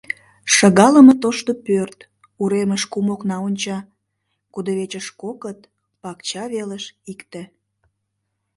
Шыгалыме тошто пӧрт, уремыш кум окна онча, кудывечыш — кокыт, пакча велыш — икте.